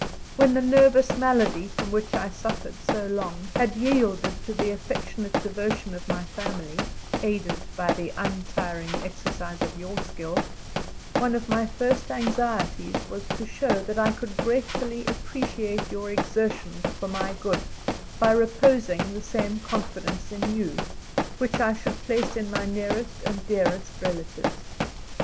when the nervous malady from which I suffered so long, had yielded to the affectionate devotion of my family aided by the untiring exercise of your skill one of my first anxieties was to show that I could gratefully appreciate your exertions for my good, by reposing the same confidence in you, which I should place in my nearest and dearest relatives.